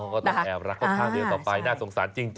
ก็ต้องแอบรักเขาข้างเดียวต่อไปน่าสงสารจริง